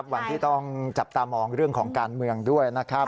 วันที่ต้องจับตามองเรื่องของการเมืองด้วยนะครับ